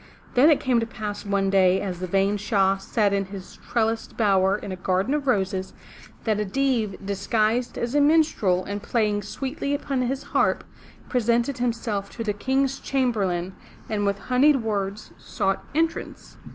Then it came to pass one day as the vain Shah sat in his trellised bower in a garden of roses, that a Deev, disguised as a minstrel and playing sweetly upon his harp, presented himself to the King's chamberlain and with honeyed words sought entrance.